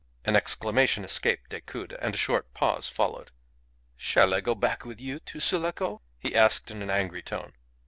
An exclamation escaped Decoud, and a short pause followed. "Shall I go back with you to Sulaco?" he asked in an angry tone.